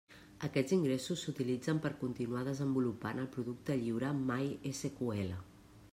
Aquests ingressos s'utilitzen per continuar desenvolupant el producte lliure MySQL.